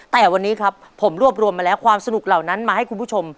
แต่วันนี้ครับผมรวบรวมมาแล้วความสนุกเหล่านั้นมาให้คุณผู้ชม